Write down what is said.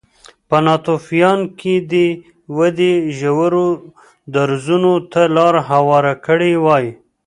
په ناتوفیان کې دې ودې ژورو درزونو ته لار هواره کړې وای